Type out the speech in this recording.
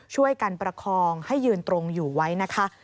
ช่วยกันประคองให้ยืนตรงอยู่ไว้นะคะ